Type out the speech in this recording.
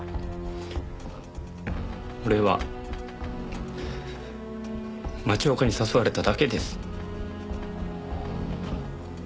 俺は町岡に誘われただけです。